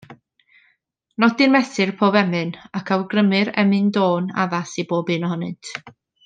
Nodir mesur pob emyn, ac awgrymir emyn-dôn addas i bob un ohonynt.